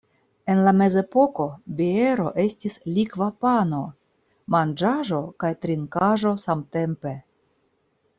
En la mezepoko biero estis likva pano: manĝaĵo kaj trinkaĵo samtempe.